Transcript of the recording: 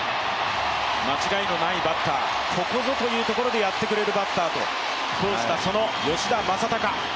間違いのバッター、ここぞというところでやってくれると評したその吉田正尚。